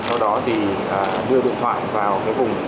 sau đó thì đưa điện thoại vào cái vùng có cái hình mã qr code màu hình vuông